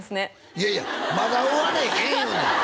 いやいやまだ終われへん言うねん